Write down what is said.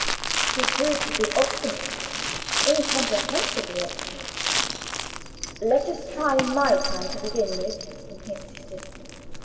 He proved to be obstinate incomprehensibly obstinate. "Let us try my plan to begin with," he insisted.